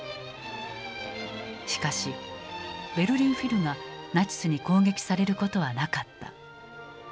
しかしベルリン・フィルがナチスに攻撃されることはなかった。